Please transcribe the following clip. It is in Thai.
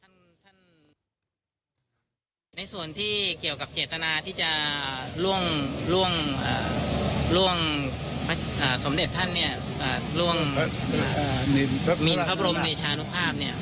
ล่วงหมินพระบรมเดชานุภาพเนี่ย